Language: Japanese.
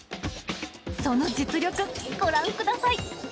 その実力、ご覧ください。